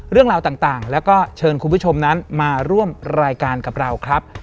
เรื่องราวต่างแล้วก็เชิญคุณผู้ชมนั้นมาร่วมรายการกับเราครับ